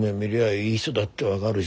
いい人だって分がるし。